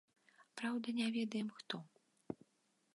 Праўда, не ведаем хто.